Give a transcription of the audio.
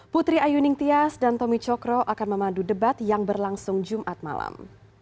putri ayuning tias dan tommy cokro akan memadu debat yang berlangsung jumat malam